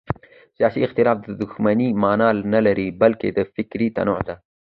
سیاسي اختلاف د دښمنۍ مانا نه لري بلکې د فکر تنوع ده